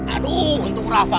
aduh untung rafa